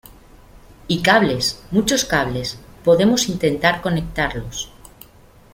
y cables, muchos cables, podemos intentar conectarlos